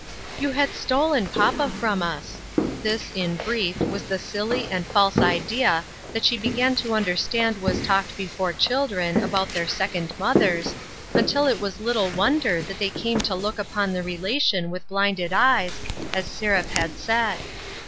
" You had stolen papa from us." This, in brief, was the silly and false idea that she began to under stand was talked before children about their second mothers, until it was little wonder that they came to look upon the relation with blinded eyes, as Seraph had said.